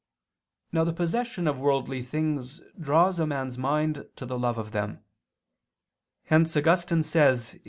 Now the possession of worldly things draws a man's mind to the love of them: hence Augustine says (Ep.